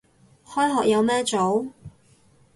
開學有咩做